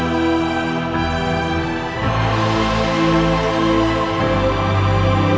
saya sangat membawa dirimu